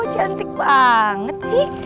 cantik banget sih